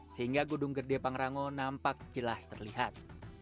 sehingga gedung gede pangrango nampak jelas terlihat